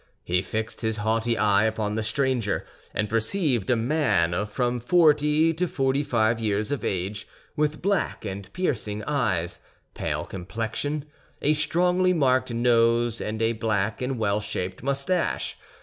He fixed his haughty eye upon the stranger, and perceived a man of from forty to forty five years of age, with black and piercing eyes, pale complexion, a strongly marked nose, and a black and well shaped mustache.